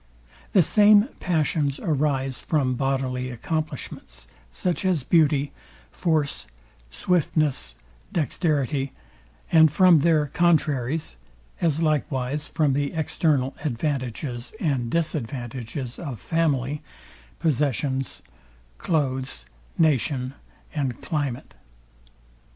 The same passions arise from bodily accomplishments, such as beauty, force, swiftness, dexterity; and from their contraries; as likewise from the external advantages and disadvantages of family, possession, cloaths, nation and climate.